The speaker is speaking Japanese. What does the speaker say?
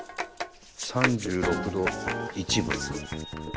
３６度１分。